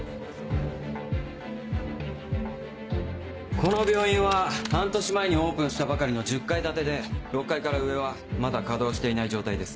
この病院は半年前にオープンしたばかりの１０階建てで６階から上はまだ稼働していない状態です。